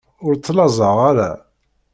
Ur ttlaẓeɣ ara.